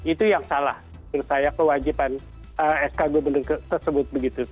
itu yang salah menurut saya kewajiban skg tersebut begitu